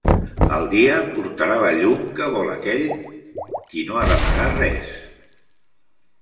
El dia portarà la llum que vol aquell qui no ha d'amagar res.